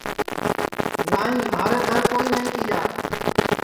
نائی مھارے گھر کوئی نائی تیا